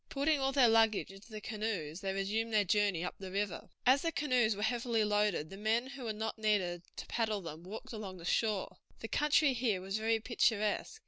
Putting all their luggage into the canoes they resumed their journey up the river. As the canoes were heavily loaded the men who were not needed to paddle them walked along the shore. The country here was very picturesque.